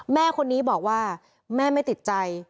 แม่คนนี้บอกว่าแม่ไม่ติดใจ